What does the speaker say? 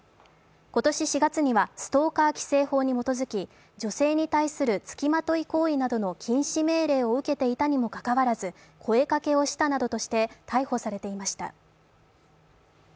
今年４月にはストーカー規制法に基づき女性に対する付きまとい行為などの禁止命令を受けていたにも関わらず、声かけをしたなどとして、逮捕されていました。